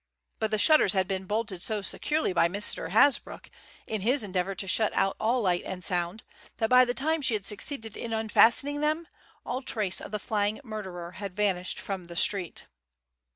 But the shutters had been bolted so securely by Mr. Hasbrouck, in his endeavour to shut out all light and sound, that by the time she had succeeded in unfastening them, all trace of the flying murderer had vanished from the street.